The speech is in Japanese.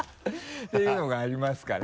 ていうのがありますから。